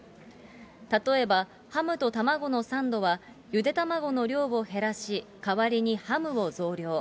例えば、ハムとたまごのサンドは、ゆで卵の量を減らし、代わりにハムを増量。